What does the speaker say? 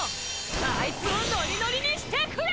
あいつをノリノリにしてくれ！